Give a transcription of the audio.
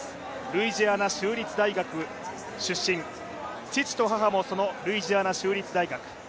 ルイジアナ州立大学出身父と母もルイジアナ州立大学。